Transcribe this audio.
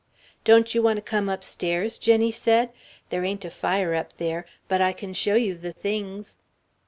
"Don't you want to come upstairs?" Jenny said. "There ain't a fire up there but I can show you the things."